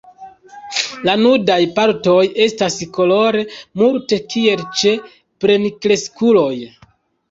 La nudaj partoj estas kolore multe kiel ĉe plenkreskuloj.